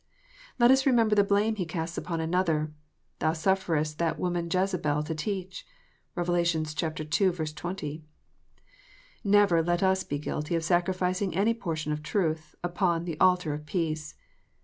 Let us remember the blame He casts upon another: "Thou sufferest that woman Jezebel to teach." (Rev. ii. 20.) Never let us be guilty of sacrificing any portion of truth upon the altar of peace.